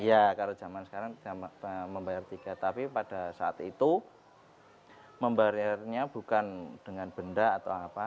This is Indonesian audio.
iya kalau zaman sekarang membayar tiket tapi pada saat itu membayarnya bukan dengan benda atau apa